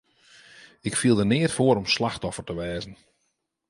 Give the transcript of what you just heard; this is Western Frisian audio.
Ik fiel der neat foar om slachtoffer te wêze.